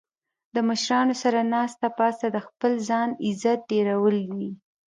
د مشرانو سره ناسته پاسته د خپل ځان عزت ډیرول وي